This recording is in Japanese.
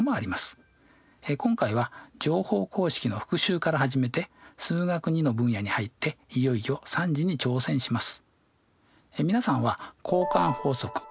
今回は乗法公式の復習から始めて「数学Ⅱ」の分野に入っていよいよ３次に挑戦します。